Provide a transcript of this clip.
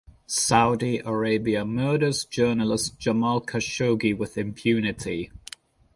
Saudi Arabia murders journalist Jamal Khashoggi with impunity.